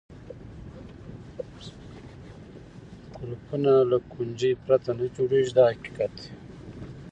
قلفونه له کونجۍ پرته نه جوړېږي دا حقیقت دی.